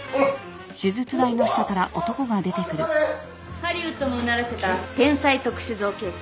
ハリウッドもうならせた天才特殊造形師